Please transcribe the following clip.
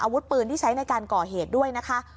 อาวุธปืนที่ใช้ในการก่อเหตุด้วยนะคะ